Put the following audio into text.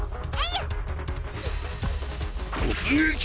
突撃！